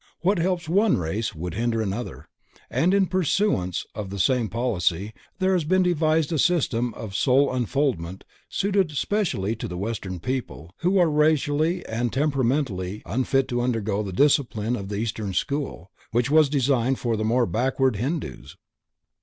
What helps one race would hinder another, and in pursuance of the same policy there has been devised a system of soul unfoldment suited specially to the Western people, who are racially and temperamentally unfit to undergo the discipline of the Eastern school, which was designed for the more backward Hindoos.